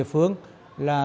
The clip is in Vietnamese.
sẽ có những biên pháp